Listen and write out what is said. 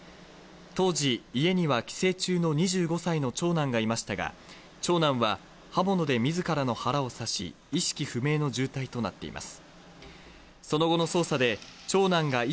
当時、家には帰省中の２５歳の長男がいましたが、長男は刃物でみずからの腹を刺し、意識不明の重体となっています。